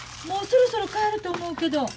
もうそろそろ帰ると思うけど。